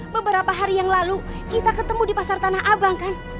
beberapa hari yang lalu kita ketemu di pasar tanah abang kan